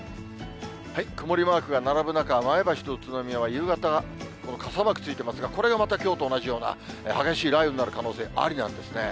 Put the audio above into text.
曇りマークが並ぶ中、前橋と宇都宮は夕方、傘マークついてますが、これがまたきょうと同じような激しい雷雨になる可能性、ありなんですね。